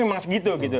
memang segitu gitu